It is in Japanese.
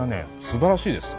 すばらしいです。